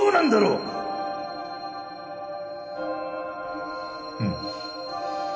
うん。